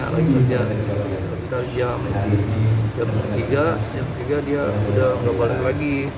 dia sudah jam tiga dia udah nggak balik lagi